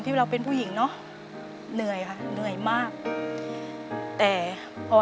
เปลี่ยนเพลงเพลงเก่งของคุณและข้ามผิดได้๑คำ